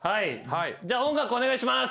じゃあ音楽お願いします。